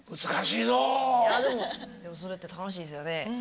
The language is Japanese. でもそれって楽しいですよね。